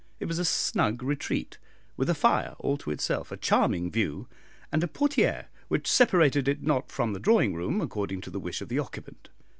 It was a snug retreat, with a fire all to itself, a charming view, and a portière which separated it or not from the drawing room, according to the wish of the occupant.